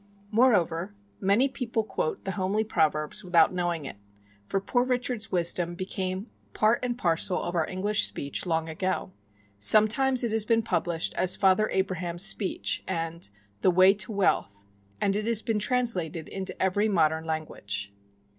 Moreover, many people quote the homely proverbs without knowing it; for Poor Richard's wisdom became part and parcel of our English speech long ago. Sometimes it has been published as "Father Abraham's Speech," and "The Way to Wealth," and it has been translated into every modern language.